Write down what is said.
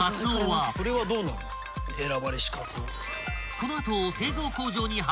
［この後］